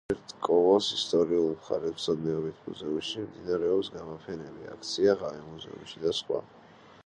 ჩერტკოვოს ისტორიულ-მხარეთმცოდნეობითი მუზეუმში მიმდინარეობს გამოფენები, აქცია „ღამე მუზეუმში“ და სხვა.